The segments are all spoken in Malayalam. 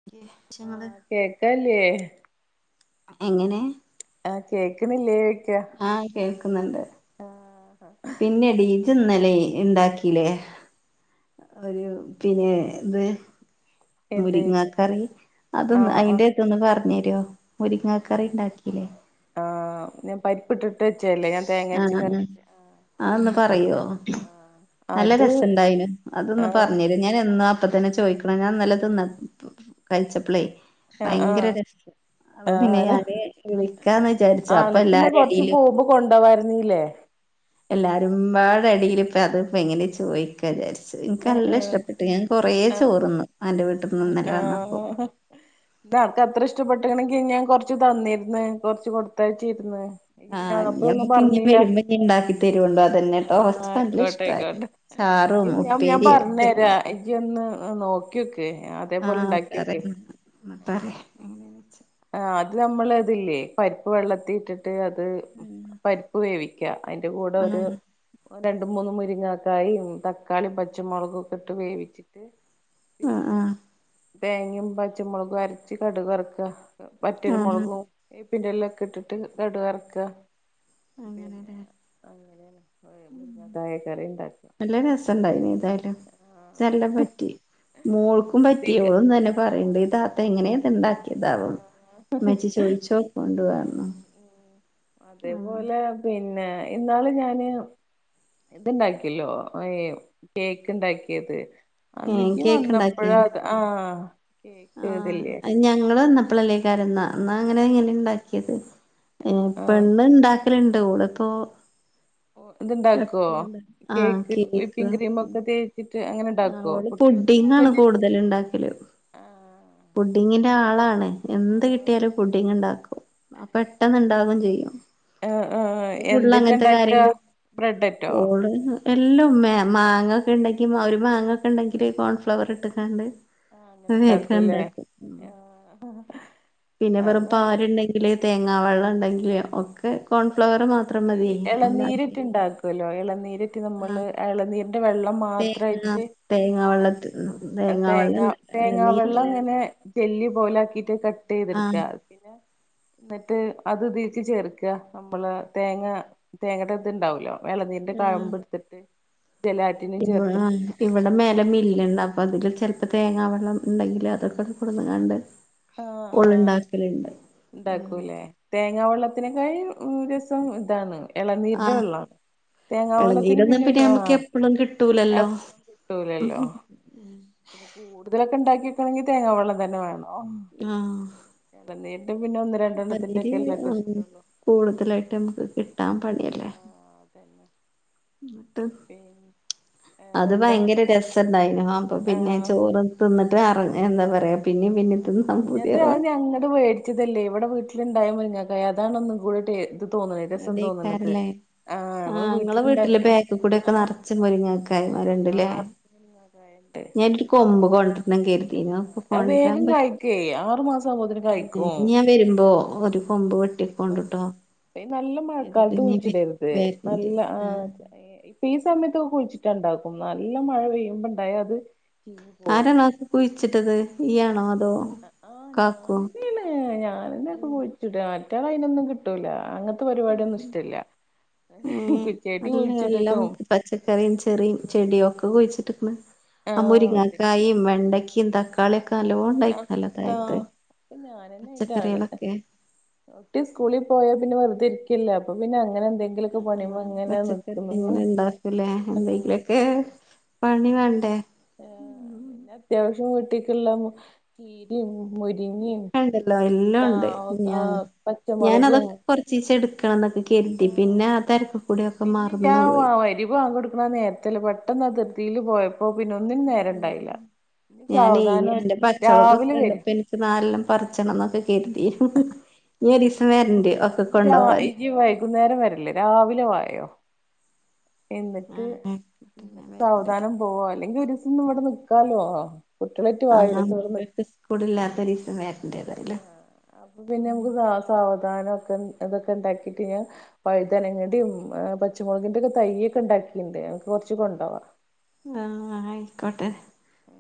[unintelligible] കേൾക്കാല്ലേ എങ്ങനെ ആഹ് കേക്കുന്നില്ലേ ചോയിക്ക ആഹ് കേൾക്കുന്നുണ്ട് പിന്നെ ഡീ ഇജ്ജ് ഇന്നലെ ഇണ്ടാക്കില്ലേ ഒരു പിന്നെ ഇത് ഏത് മുരിങ്ങാ കറി അതൊന്ന് ആഹ് ആഹ് അയിന്റെ ന്ന് പറഞ്ഞെരോ മുരിങ്ങക്കറി ഇണ്ടാക്കില്ലേ ആഹ് ഞാൻ പരിപ്പ് ഇട്ടിട്ട് വെച്ചല്ലേ തേങ്ങ അരച്ച് ആഹ് കറി ആഹ് അതൊന്ന് പറയോ ആഹ് നല്ല അത് രസം ഇണ്ടായിനു അതൊന്ന് ആഹ് പറഞ്ഞേരോ ഞാൻ എന്നാ അപ്പ തന്നെ ചോദിക്ക്ണേ ഞാൻ ഇന്നലെ തിന്ന കഴിച്ചപ്പളേ ഭയങ്കര ആഹ് ടേസ്റ്റ് അപ്പൊ പിന്നെ ആഹ് ഞാന് വിളിക്കാന്ന് വിചാരിച്ച് അപ്പൊ എല്ലാരെ യടലും കൊണ്ട് പോകായിരുന്നീല്ലേ എല്ലാരുംമ്പാട എടയിൽ ഇപ്പം അത്പ്പോ എങ്ങനെയാ ചോയിക്കാ വിചാരിച്ചു ഇൻക്ക് ആഹ് നല്ല ആഹ് ഇഷ്ടപ്പെട്ട് ഞാൻ കൊറേ ആഹ് ചോർന്ന് അന്റെ വീട്ടിൽ ആഹ് ക്ക് അത്ര ഇഷ്ടപ്പെട്ടണെങ്കി ഞാൻ കൊറച്ച് തന്നിരുന്ന് കൊറച്ച് കൊടുത്തയച്ചിരുന്ന് ഇയ്യ് പിന്നെ ആഹ് അപ്പഴൊന്നും ഞമുക്ക് ഇനി പറഞ്ഞില്ല വെരുമ്പ ഇനി ഉണ്ടാക്കി തരുണ്ടോ അതന്നെട്ടോ ആഹ് കുറച്ച് നല്ല ആയിക്കോട്ടെ ഇഷ്ടമായി ആയിക്കോട്ടെ ചാറും ഉപ്പേരിയും ഒക്ക നി ഒന്ന് നോക്കിയോക്ക് അതേപോലെ ഉണ്ടാക്കിയോക്ക് ആഹ് [unintelligible] ആഹ് അത് നമ്മൾ ഇതില്ലേ പരിപ്പ് വെള്ളത്തി ഇട്ടിട്ട് അത് പരിപ്പ് വേവിക്കും വേവിക്ക അതിന്റെ കൂടെ ഒരു ആഹ് രണ്ട മൂന്ന് മുരിങ്ങക്കായും തക്കാളിയും പച്ചമുളകും ഒക്കെ ഇട്ട് വേവിച്ചിട്ട് ആഹ് പിന്നെ ആഹ് തേങ്ങയും പച്ചമുളകും അരച്ച കടുക് വറക്കുക വറ്റൽ ആഹ് മുളകും പിന്നെ വേപ്പിന്റ ഇലയോക്ക ഇട്ടിട്ട് കടു വറക്കുക പിന്നെ അങ്ങനെല്ലേ അങ്ങനെയയാണ് മുരീങ്ങകായ കറി ഉണ്ടാകുക നല്ല രസം ഉണ്ടായിനി എതായാലും ചെല്ല ആഹ് പറ്റി മോൾക്കും അതീക്ക് പറ്റിയളൂന്ന് തന്നെ ആഹ് പറയണ്ട് ഈ താത്ത എങ്ങനെയ ഇത് ഉണ്ടാക്കിയ ഇതാവും ആഹ് ഉമ്മച്ചി ചോദിച്ച് നോക്ക് [unintelligible] ഉം ഉം ഉം അതേപോലെ പിന്നെ ഇന്നാളീ ഞാന് ഇത്ണ്ടാക്കിയല്ലോ ഏ കേക്ക് ഇണ്ടാക്കിയത് ഏഹ് അന്നക്കും കേക്ക് ഇണ്ടാക്കിയ വന്നപ്പഴത ആഹ്. കേക്ക് ഇതില്ലേ ആഹ് ഞങ്ങള് വന്നപ്പള്ളല്ലേക്കായിരുന്നാ എന്നാ അങ്ങനെ ഇങ്ങനെ ഇണ്ടാക്കിയത് ഉം ആഹ് ആഹ് പെണ്ണ് ഇണ്ടാക്കലിണ്ട് ഇവ്ടെപ്പോ ഇത്ണ്ടാക്കുവോ കേക്ക് വിപ്പിംഗ് ക്രീമൊക്കെ തേ ട്ട് അങ്ങനെ ഉണ്ടാക്കുവോ കുട്ടികൾക്ക് പിന്നെത് വല്ല്യ ഇതല് ഉണ്ടാക്കലും പുഡിങ്ങിന്റെ ആളാണ്. എന്ത് കിട്ടിയാലും പുഡിങ്ങ് ഇണ്ടാക്കും അ പെട്ടന്ന് ഇണ്ടാവും ചെയ്യും. ആ ഇപ്പ ഫുള്ള് എന്തിട്ടാ അങ്ങനത്തെ ഇണ്ടാക്ക കാര്യങ്ങ ബ്രെഡറ്റോ ഓള് ന്നേ എല്ലാം മാങ്ങ ഒക്കെ ഉണ്ടെങ്കി ഒരു മാങ്ങ ഒക്കെ ഉണ്ടെങ്കില് കോൺഫ്ലവർ ഇട്ടുക്കാണ്ട് ആ ത് വേക്കണ്ടാക്കും. ആഹ് പിന്നെ വെറും പാല് ണ്ടെങ്കില് തേങ്ങാവെള്ളം ഉണ്ടെങ്കില് ഒക്കെ കോൺഫ്ലവർ മാത്രം ഈ മതി അതാക്കി ഇളനീരറ്റ് ഇണ്ടാക്കല്ലോ ഇളനീരറ്റ് ആ നമ്മള് ഇളനീര വെള്ളം തേങ്ങ മാത്രായിട്ട് ആഹ് [unintelligible] തേങ്ങ ഉണ്ടല്ലോ തേങ്ങ വെള്ളം ഇളനീരല്ല ഇങ്ങനെ ജെല്ലി പോലാക്കിട്ട് കട്ട് ആ ചെയ്തെടുക്കത് പിന്നെ? എന്നിട്ട് അത്തിക്ക് ചേർക്കുക നമ്മള് തേങ്ങ തേങ്ങയുടെ ഇത്ണ്ടാവലോ? വിളനീരിന്റെ ആ കഴമ്പ് എടുത്തിട്ട് ജല ആ [unintelligible] ഇവിടെ മേലെ മില്ലുണ്ട് അപ്പൊ അതില് ചിലപ്പോ തേങ്ങ വെള്ളം ഉണ്ടെങ്കിൽ അതൊക്ക കുണ്ടുങ്ങാണ്ട് ആഹ് ആഹ് ഉള്ണ്ടാക്കലുണ്ട്. ഉണ്ടാക്കൂല്ലേ തേങ്ങ വെള്ളത്തിനെക്കായി രസം ഇതാണ് ഇളനീരിടെ ആ വെള്ളാണ്. തേങ്ങാവെള്ളത്തിന് ഇളനീരൊന്നും പിന്നെ ഒരു ആ നമുക്ക് എപ്പളും എ കിട്ടൂലല്ലോ കിട്ടൂലല്ലോ പിന്നെ കൂടുതലക്കെ ഉണ്ടാക്കി വക്കണമെങ്ക തേങ്ങ വെള്ളം തന്നെ വേണം.. ആഹ് ആ ഇള നീട്ട് പിന്നെ ഒന്ന് രണ്ടെണ്ണത്തിന്റെ ഇളനീര് ഒക്കെ എല്ലാംക്കെ ആഹ് കിട്ടുള്ളു.. കൂടുതലായിട്ട് ഉം നമുക്ക് കിട്ടാൻ പണിയല്ലേ.. ആഹ് പിന്നെ.. എന്നിട്ട് അത് വേറെന്താ ഭയങ്കര രസ.. ണ്ടായിനും അപ്പ പിന്നെ ആഹ് ചോറ് തിന്നിട്ട് ആ എ എന്താ പറയുക പിന്നെ പിന്നെ ഞത് അത് ഞങ്ങട് മേടിച്ചതല്ലേ ഇവിടെ വീട്ടിലിണ്ടായാൻ മുരിങ്ങക്ക അതാണ് ഒന്നും കൂടെട്ട ടെ.. തോന്നണത് രസം തോന്നണത്.. ആഹ് ആ നമ്മള് നിങ്ങടെ വീട്ടിലുണ്ടാക്ക വീട്ടിലെ ബാക്കി കൂടെക്കെ ആഹ് നറച്ച മുരിങ്ങക്ക ആഹ് ആയിമരുണ്ടല്ലേ.. നറച്ച് മുരിങ്ങക്കായണ്ട് ഞാന എനിക്ക് അപ്പൊ കൊമ്പ് കൊണ്ടരണം കരുതിന് ആഹ് അത് കൊണ്ടരാൻ വേഗം പറ്റ കായ്ക്കേ ആറു മാസം ആവുമ്പോത്തിന് ഇനി കായ്ക്കും ഞാൻ വരുമ്പോ ഒരു കൊമ്പ് വെട്ടി ആഹ് കൊണ്ട്ട്ടോ നല്ല മഴക്കാലത്ത് കുഴിച്ചിടരുത് വരണ്ട് നല്ല ആ ആഹ്.. ഈ സമയത്തൊ കുഴിച്ചിട്ടാ ഉണ്ടാക്കും നല്ല മഴ പെയ്യുമ്പോണ്ടായാ അത്. ചീഞ്ഞ് പോവും ആരാണ അത് കുഴിച്ചിട്ടത് ഈയാണോ അതോ ആ കാക്കോ ഞാനന്നാണ് ഞാനന്നയാ ഒക്കെ കുഴിച്ചിട്ക മറ്റാളേ അയിനൊന്നും കിട്ടൂല അങ്ങ ഇവടൊന്നും ഇഷ്ടവില്ല. ഉം നല്ല എല്ലാം പച്ചക്കറിയും ചെറിയും ചെടിയും ഒക്കെ കുഴിച്ചിട്ടിക്ക്ണ്.. ആ മുരിങ്ങാക്കായും വെണ്ടക്കയും തക് തക്കാളിക്കെ നല്ല പോലെ ഉണ്ടായിക്കണല്ലേ അപ്പന്താ തായത്ത് അപ്പൊ ഞാനന്നെ അയിന്റെ ആള് പച്ചക്കറികളൊക്കെ കുട്ടി സ്കൂളിൽ പോയാ പിന്നെ വെറുതെ ഇരിക്കിയല്ല അപ്പൊ പിന്നെ അങ്ങനെ എന്തെങ്കി ഉം പച്ചക്കറി അങ്ങനെ ഉണ്ടാക്കൂലേ എന്തെങ്കിലൊക്കെ. പണി എന്തൊക്കെ വേണ്ടേ ആഹ് പിന്നെ ഒറ്റയ്ക്ക്എല്ലാം അങ്ങ്.. ചീരയും മുരിങ്ങേം ഒക്കെ ഉണ്ടല്ലോ എല്ലാം ഉണ്ട് [unintelligible] പച്ചമുളകും കൊറച്ചീച്ച എടുക്കണം എന്നൊക്കെ കരുതി പിന്നെ ആ ആഹ് തിരക്കി കൂടിയൊക്കെ മറന്നുപോയി മരിബ് ബാങ്ക് കൊട്ക്ക്ണ നേ [unintelligible] പെട്ടെന്ന് ആ ധൃതീൽ പോയപ്പോ പിന്നെ ഒന്നിനും നേരെണ്ടായില്ല ഞാനേ എന്റെ [unintelligible] പച്ചവളകൊക്കെ രാവിലെ വരും [unintelligible] പറിച്ചണം എന്നൊക്കെ കരുതി ഹ്ഹ് ഇനി ഒരീസം വരും വരണണ്ട് ഒക്കെ ഇനി രാ കൊണ്ടുപോവാന് ഇനി വൈകുന്നേരം വരല്ല് രാവിലെ വായോ എന്നിട്ട് ആഹ് ആയിക്കോട്ടെ ഞാൻ വരണ്ട് സാവധാനം പോവാ അല്ലെങ്കി ഒരു ദിവസം ഇവിടെ നിക്കാലോ [unintelligible] ക്കവിടില്ലാത്തൊരീസം വരണ്ടേതായാലും ആഹ് അപ്പൊ പിന്നെ നമുക്ക് സാവധാനം ഒക്കെ [unintelligible] കഴിഞ്ഞാ വഴുതനങ്ങന്റെയും പച്ചമുളകിന്റെയും ഒക്കെ തൈയ്യ് ഒക്കെ ഉണ്ടാക്കിട്ടണ്ട് നിനക്ക് കുറച്ച് കൊണ്ടോവാം ആഹ് ആയിക്കോട്ടെ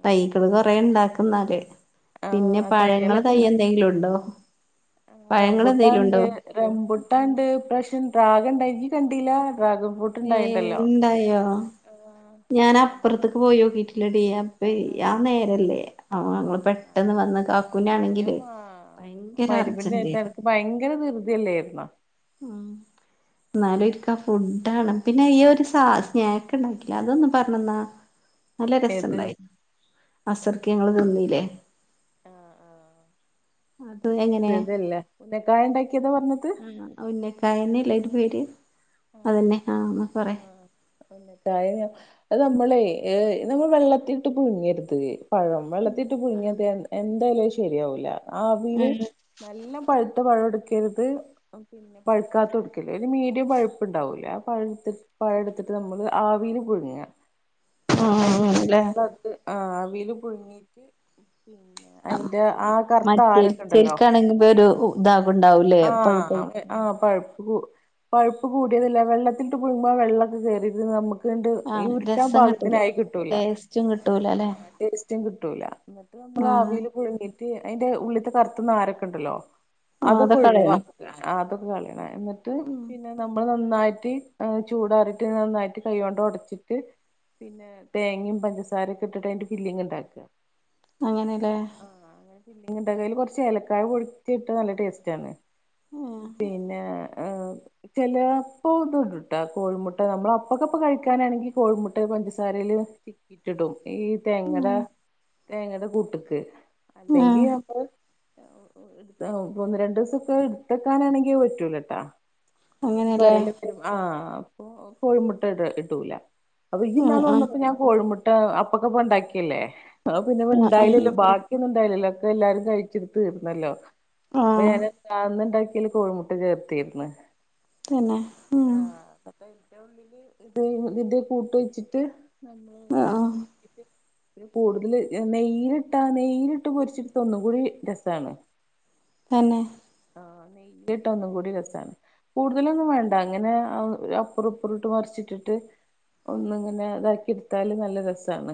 തൈകള് കൊറേ ഇണ്ടാക്കുന്നാല് പിന്നെ ആഹ് പഴങ്ങള് തൈയ്യ് തയ്യലൊക്കെണ്ട് എന്തെങ്കിലും ഉണ്ടോ പഴങ്ങൾ എന്തെങ്കിലും ഉണ്ടോ റംബൂട്ടാൻണ്ട് ഇപ്രശ്യം ഡ്രാഗൺ ഉണ്ടായി ഇയ്യ് കണ്ടീല്ല ഡ്രാഗ ഏഹ് ഉണ്ടായോ ആഹ് ഞാൻ നമ്മള് അപ്പുറത്തേക്ക് പോയോക്കീട്ടില്ലടീ അപ്പ ആഹ് ആ നേരല്ലേ [unintelligible] ഞങ്ങള് പെട്ടെന്ന് വന്ന് ആഹ് ഞാൻ കാക്കുനാണെങ്കില് മാ ഭയങ്കര മഗ്‌രിബിന്റെ അർജന്റായി നേരത്ത് [unintelligible] അനക്ക് ഭയങ്കര ധൃതിയല്ലേയിരുന്നോ എന്നാലും [unintelligible] ഫുഡ് [unintelligible] പിന്നെ ഇയ്യ് ഒരു സ സ്നാക്ക് ഉണ്ടാക്കില്ലേ അതൊന്ന് പറഞ്ഞന്നാ നല്ല ഏത് രസണ്ടായിരു അസർക്ക് ഞങ്ങള് തിന്നീല്ലേ ആഹ് ആഹ് അത് ഏത് എങ്ങനെ ഇതല്ലേ ഉന്നക്കായ ഉണ്ടാക്കിതാ പറഞ്ഞത് ഉന്നക്കായന്നെല്ല [unintelligible] പേര് അതന്നെ ആഹ് എന്നാ പറ ആഹ് [unintelligible] നമ്മളെ [unintelligible] നമ്മൾ വെള്ളത്തിട്ട് പുഴുങ്ങരുത് പഴം വെള്ളത്തിട്ട് പുഴുങ്ങിയത് എന്തായാലും അത് ശരിയാവൂല ആവിയില് നല്ല പഴുത്ത പഴെടുക്കരുത് പഴുക്കാത്തടുക്കല്ല് ഒരു മീഡിയം പഴുപ്പുണ്ടാവൂല്ലേ [unintelligible] നമ്മൾ ആവീല് പുഴുങ്ങുക ആഹ് ആണല്ലേ [unintelligible] ആഹ് ആവീൽ പുഴുങ്ങീട്ട് അയിന്റെ ആ കറുത്ത മറ്റേ ആരൊക്കെ ഉണ്ടല്ലോ [unintelligible] ഒരു ഇതാകു ഉണ്ടാവൂല്ലേ ആഹ് [unintelligible] ആഹ് പഴുപ്പ് പഴുപ്പ് കൂടിയതില്ല വെള്ളത്തിട്ട് പുഴുങ്ങുമ്പോ വെള്ളൊക്കെ കയറിയിത് നമുക്ക് [unintelligible] ഈ ആഹ് ഉരുട്ടാൻ രസം കിട്ടൂല പാകത്തിനായി കിട്ടൂല ടേസ്റ്റും കിട്ടൂല അല്ലെ ആഹ് ടേസ്റ്റും കിട്ടൂല, ഇന്നട്ട് നമ്മൾ ആഹ് ആവിൽ പുഴുങ്ങീട്ട് അതിന്റെ ഉള്ളിത്ത കറുത്ത നാരൊക്കെ ഉണ്ടല്ലോ. ആഹ് അതൊക്കെ അതൊക്കെ കളയണം ഒഴിവാക്ക അതൊക്കെ കളയണം എന്നിട്ട്. ഉം പിന്നെ നമ്മൾ നന്നായിട്ട് ചൂടാറിട്ട് നന്നായിട്ട് കൈയ്യോണ്ട് ഉടച്ചിട്ട്. പിന്നെ തേങ്ങം പഞ്ചസാരൊക്കെ ഇട്ടിട്ട് അതിന്റെ ഫില്ലിങ് ഇണ്ടാക്ക. അങ്ങനെല്ലേ. ആ അങ്ങനെ ഇങ്ങത്തേൽ കുറച്ച് ഏലക്കായ പൊടിച്ച്ഇട്ടാൽനല്ല ടേസ്റ്റ് ആണ്. ആഹ് പിന്നെ ഏഹ ചില അപ്പോ ഇത് ഇടുട്ടാ കോഴിമുട്ട, നമ്മള അപ്പക്കെപ്പ കഴിക്കാനാണെങ്കി കോഴിമുട്ട പഞ്ചസാരയില് ഇട്ടിടും ഈ തേങ്ങട ഉം തേങ്ങടെ കൂട്ട്ക്ക്. ഉം അല്ലെങ്കി അപ്പ എടുന്ന് രണ്ട് [unintelligible] ഇതൊക്കെ ഇടുന്നതാണെങ്കിൽ പറ്റൂലട്ടാ ന പറ അങ്ങനെല്ലേ ആ കോഴിമുട്ട ഇ ഇട്ടൂലഅപ്പൊ ഇയ്യ് ഉം നാള് ഉം വന്നപ്പോ ഞാൻ കോഴിമുട്ട അപ്പൊക്കപ്പ ഉണ്ടാക്കിയല്ലേ അ പിന്നെ ആഹ് ആഹ് ഇണ്ടായിലല്ലോ ബാക്ക ഇൻക്കണ്ടായില്ലല്ലോ. ഒക്കെ എല്ലാരും കഴിച്ചിട്ട് തീർത്തല്ലോ. അപ്പൊ ആഹ് ഞാൻ അന്ന്ണ്ടാക്കിയല് കോഴിമുട്ട ചേ ർതീര്ന്ന് തന്നെ ഉം ആ ഇത് ഇത് കൂട്ട് വെച്ചിട്ട് ആഹ് കൂടുതൽ നെയ്യിലിട്ടാ നെയ്യിലിട്ട് പൊരിച്ചിട്ത്ത ഒന്നുകൂടി രസാണ്. തന്നെ ആ നെയ്യിലിട്ട ഒന്നുകൂടി രസാണ്. കൂടുതലൊന്നും വേണ്ട അങ്ങനെ അപ്പുറപ്പുറമിട്ട് മറിച്ചിട്ടിട്ട് ഒന്ന്ങ്ങനെ ളാക്കി ഇടുത്താലും നല്ല രസാണ്.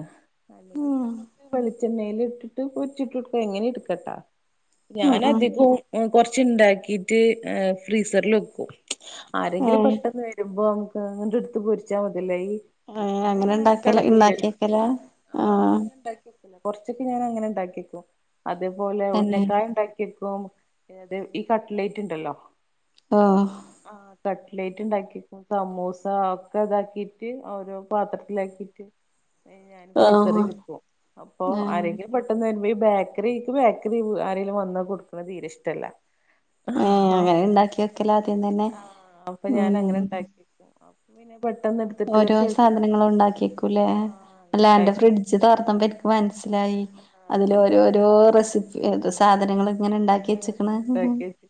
അല്ലകിൽ ഉം നമ്മുക്ക് വെളിച്ചെണ്ണയിൽ ഇട്ടിട്ട് പൊരിച്ചിട്ട് ഇടുക്ക എങ്ങനെ ഇട് ക്കട്ട. ഉം ഉം ഞാനഅധികും കൊറച്ചുണ്ടാക്കിട്ട് എ ഫ്രീസർൽ വേക്കും. ആരെങ്കിലും ഏഹ് പെട്ടെന്ന് വരുമ്പോ ങ്ങട്ട് ഇട്ത്ത് പൊരിച്ചാ മതിയലോ ഇ ഏ അങ്ങനെ ഇണ്ടാക്കല ഇ ണ്ടാക്കിയക്കല ആഹ. കൊറച്ചൊക്ക ഞാൻ അങ്ങനെ ഇ ണ്ടാക്കിക്കും അതേപോലെ തന്നെ ഉന്നക്കായ ഉണ്ടാക്കിക്കും ആദ്യം ഈ കട്ലൈറ്റ് ഉണ്ടല്ലോ ആഹ് ആ കട്ടലൈറ്റ് ഇണ്ടാക്കി. സമുസ ഒക്കെ ഇതാക്കിട്ട് ഓരോ പാത്രത്തിലാക്കിട്ട് ഞാൻ ഓഹ് ഫ്രീസറിൽ വെക്കും അപ്പൊ ആഹ് ആരെങ്കിലും പെട്ടന്ന് രുമ്പോ ഈ ബേക്കറി ക്ക് ബേക്കറി ആരെങ്കിലും വന്ന കൊടുക്കണേ തീരെ ഇഷ്ടല്ല. ഏ അങ്ങനെ അപ്പൊ ഞാൻ ഇണ്ടാക്കി വെക്കല ആദ്യം തന്നെ ആഹ് അപ്പൊ ഞാൻ ഉം. അങ്ങനെ ഉണ്ടാക്കി അപ്പൊ പിന്നെ പെട്ടെന്ന്ട് ഓരോ സാധനങ്ങളും ഇണ്ടാക്കിക്കൂലെ ആഹ് അങ്ങനെ അല്ല അന്റെ ഉണ്ടാക്കി ഫ്രിഡ്ജ് തൊർന്നുപ്പം ഇൻ പ്പം മൻസിലായി അതിൽ ഓരോരോ റെസിപ്പി ആഹ് സാധനങ്ങൾ ഇങ്ങനെ ഇണ്ടാക്കി വെച്ച്കണ്. ഉണ്ടാക്കിച്ച്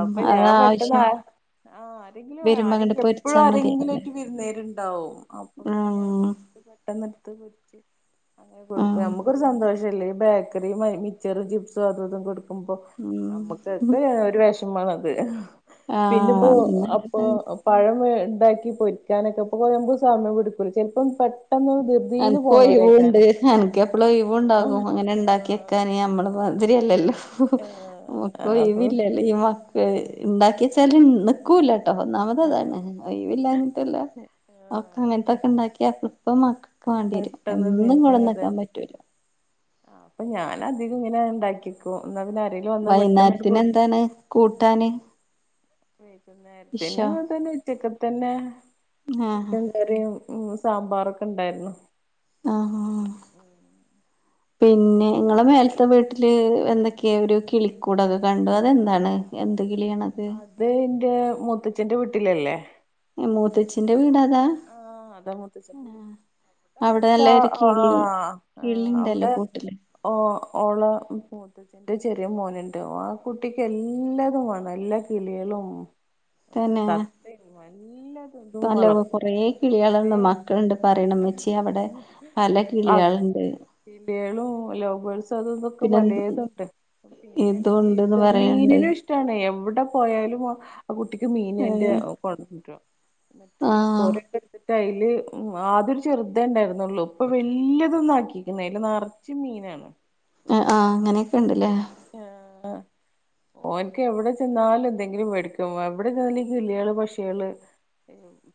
അപ്പൊ ഞാൻ പെട്ടെന്ന് ആവശ്യം ആ ആരെങ്കിലും വരുമ്പോ അങ്ങട് ആരെങ്കിലും എപ്പോഴും പൊരിച്ചാ ആരെ മതിയല്ലേ എങ്ങനായിറ്റും വിരുന്നേരുണ്ടാവും. അപ്പൊ പിന്നെ ഞാൻ ഉം പെട്ടെന്ന്ടുത്ത് പൊരിച്ച്. അങ്ങന കൊടുക്കും. ഉം നമുക്കൊരു സന്തോഷല്ലേ ഈ ബേക്കറി മൈ മിച്ചറും ചിപ്സും അതതും കൊടു കുമ്പോ നമ്മുക്കൊക്കെ ഉം ഒരു വെഷമാഉള്ളത്. പിന്നെപ്പൊ അപ്പൊ ആഹ് പഴം ഉണ്ടാക്കി പൊരിക്കാനൊക്കെ ഇപ്പ നമുക്ക് സമയം എടുക്കൂല ചിലപ്പം പെട്ടന്ന് അനക്ക് ഒഴിവുണ്ട്. അനക്ക് എപ്പളു ആഹ് ഒഴിവുണ്ടാകും അങ്ങനെ ഉണ്ടാക്കിയ ആഹ് [unintelligible] നമ്മടെ മതിരിയല്ലല്ലോ നമക്ക് ആഹ് ഒഴിവ് അപ്പൊ ഇല്ലല്ലോ ഈ മ ഇണ്ടാക്കി വെച്ചാലും നിക്കൂലട്ടോ ഒന്നാമത് തന്നെ. ആഹ് ഒഴിവില്ലാനിട്ടല്ല. ഒക്കെ അങ്ങനത്തൊക്കെ ഇണ്ടാക്കിയ ഇപ്പം മക്ക മാണ്ടിരും പെട്ടെന്ന് എന്നും തീരും [unintelligible] അതന്നെ പറ്റൂല. അപ്പൊ ഞാൻ അധികം ഇങ്ങനെ ഇണ്ടാക്കിക്കും. എന്നാ പിന്നെ അരെൽ വന്നാ പെട്ടെന്ന്ട്ട് പോരി കൂട്ടാൻ വൈകുനേരത്തിന് അതന്നെ ഉച്ചക്കതെന്നെ ആഹ് ചിക്കൻ കറി ഉ സാമ്പാറൊക്കെ ഉണ്ടായിരുന്നു. ആ ഹ അ [inaudible] പിന്നെ നിങ്ങളെ മേലത്തെ വീട്ടില് എന്തൊക്കെയാ ഒരു കിളിക്കൂടൊക്കെ കണ്ടു അതെന്താണ് എന്ത്‌ കിളിയാണത്. അത് ഇന്റെ മുത്തച്ചി വീട്ടിലല്ലേ മൂത്തച്ഛിന്റെ വീടാതാ ആഹ് അതാ മൂത്തച്ചൻ അവിടെ നല്ല ഒരു [unintelligible] കിളി ആ കിളിണ്ടല്ലോ അവുടെ കൂട്ടില് ഓ ഓള പോ ന്റെ ചെറിയ മോനുണ്ട്. ആ കുട്ടിക്ക് എല്ലാതും വേണം എല്ലാ കിളികളും ആ തത്തിം നല്ല ഹലോ കൊറേ കിളികളന്ന് മക്കളുണ്ട് പറയണം വെച്ചി അവിടെ പല കിളികളുണ്ട് പില്ലകളും ലോകേൾസ അത ഇതൊക്കെ പിന്നെ പലതുണ്ട് പിന്നെയാണെങ്കി ഇതുണ്ട്ന്ന് പറയണ്ട് മീനിനും ഇഷ്ടാണ് എവിടെ പോയാലും ആഹ് കുട്ടിക്ക് മീനേന്റെ ഏഹ് കൊഴപ്പണ്ടൊ ആഹ് ടുത്തിട്ട അതില് ആദ്യോരു ചെറുതെ ണ്ടായിരുന്നുള്ളു ഇപ്പൊ വലിയതൊന്നാക്കീക്ക്ണ് അതിൽ റച്ചും മീനാണ് ആഹ് ആഹ് അങ്ങനെയൊക്കെ ഉണ്ടല്ലേ ആഹ് ഓ എനക്ക് എവിടെ ചെന്നാലും എന്തെങ്കിലും മേടിക്കും എവിടെ ചെന്നാല ഈ കില്ലികള് പക്ഷികള്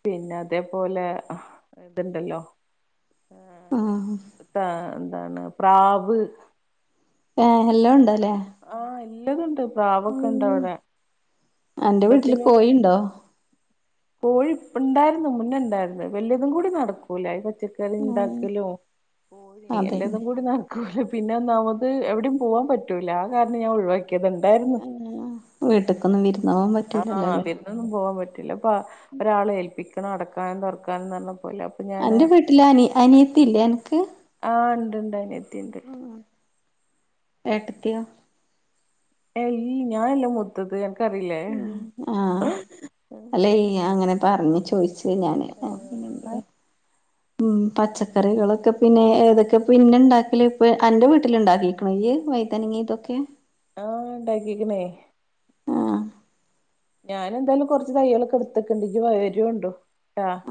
പിന്നെ അതേപോലെ ഇതുണ്ടല്ലോ ആഹ് ആഹ് എന്താണ് പ്രാവ് ഏഹ് എല്ലാം ഉണ്ടല്ലേ ആഹ് എല്ലതുണ്ട് പ്രാവൊക്കെ ഇണ്ട് ഉം അവിടെ അന്റെ വീട്ടില് ഒക്കത്തിന് കോഴിണ്ടോ കോഴി ഇപ്പ ഇണ്ടായിരുന്നു മുന്നേ ഉണ്ടായിരുന്നു വലിയതും കൂടി നടക്കൂല അ പറ്റി കറി ഉം ഉണ്ടാക്കലും കോരി എല്ലാതും അതന്നെ കൂടി നട പിന്നെ ഒന്നാമത് എവിടയും പോവാൻ പറ്റൂല ആഹ് കാരണം ഞാൻ ഒഴിവാക്കിയത്ണ്ടായിരുന്നു വീട്ടക്കൊന്നും വിരുന്നാവാൻ പറ്റ ആഹ അവരുന്നൊന്നും പോവാാൻ പറ്റൂില്ല അപ്പൊ ഒരാള ഏൽപ്പിക്കണം അടക്കാനും തുറക്കാനന്ന് പറഞ്ഞ പോല അന്റെ വീട്ടില് അനി അനിയത്തി ഇല്ലേ അനക്ക് ആഹ് ഉണ്ട്ണ്ട് അന് എത്തിയുണ്ട് ഏട്ടത്തിയൊ ഈ ഞാനല്ല മുത്തത് എനക്ക്റിയില്ലേ ഉം [unintelligible] പറഞ്ഞഞ് ചോദിച്ചത് ഞാന് പിന്നെമ്മ ഉം പച്ചക്കറികളൊക്കെ പിന്നെ ഏതൊക്കെ പിന്നെ ഉണ്ടാക്കില്ല ഇപ്പ എന്റെ വീട്ടിൽണ്ടാക്കി വൈതാനങ്ങ ഇതൊക്കെ ആഹ് ഉണ്ടാക്കിക്കണേ ആഹ് ഞാൻ എന്തായാലും കുറച്ച് തയ്യലൊക്കെ എടുത്തക്കെണ്ടെങ്കക്ക് വൈകര്യം ഉണ്ടോ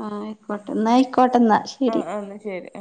ആഹ് ആയിക്കോട്ടെ എന്നയിക്കോട്ടെ എന്നാ ശരി ആഹ് ആഹ് എന്നാ ശരി